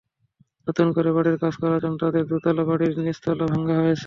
নতুন করে বাড়ির কাজ করার জন্য তাঁদের দোতলা বাড়ির নিচতলা ভাঙা হয়েছে।